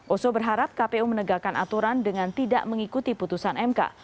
oso berharap kpu menegakkan aturan dengan tidak mengikuti putusan mk